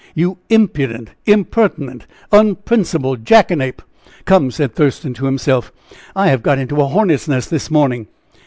"You impudent, impertinent, unprincipled jackanape." "Come," said Thurston to himself, "I have got into a hornet's nest this morning."